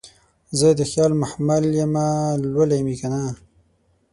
زه دخیال محمل یمه لولی مې کنه